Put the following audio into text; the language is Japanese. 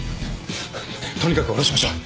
とにかく下ろしましょう。